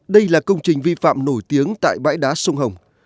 đây là công trình vi phạm nổi tiếng tại bãi đá sông hồng